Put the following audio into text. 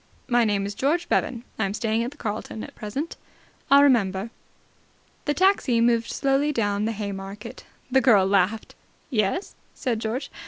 "My name is George Bevan. I am staying at the Carlton at present." "I'll remember." The taxi moved slowly down the Haymarket. The girl laughed. "Yes?" said George.